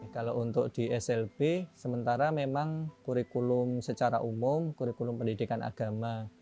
kalau untuk di slb sementara memang kurikulum secara umum kurikulum pendidikan agama